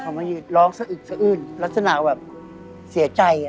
เขามายืนร้องสะอึกสะอื้นลักษณะแบบเสียใจ